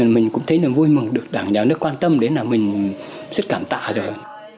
mình cũng thấy là vui mừng được đảng nhà nước quan tâm đến là mình rất cảm tạ rồi